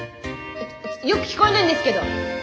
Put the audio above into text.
よく聞こえないんですけど。